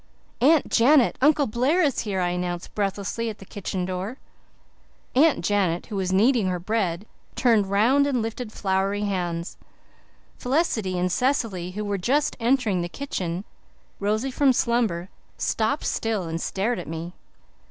"Aunt Janet, Uncle Blair is here," I announced breathlessly at the kitchen door. Aunt Janet, who was kneading her bread, turned round and lifted floury hands. Felicity and Cecily, who were just entering the kitchen, rosy from slumber, stopped still and stared at me.